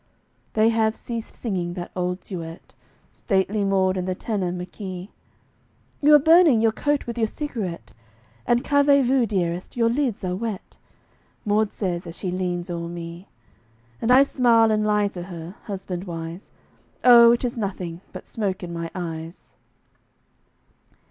They have ceased singing that old duet, Stately Maud and the tenor, McKey. "You are burning your coat with your cigarette, And qu' avez vous, dearest, your lids are wet," Maud says, as she leans o'er me. And I smile, and lie to her, husband wise, "Oh, it is nothing but smoke in my eyes."